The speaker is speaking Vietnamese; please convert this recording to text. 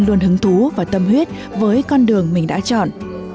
luôn hứng thú và tâm huyết với con đường mình đã chọn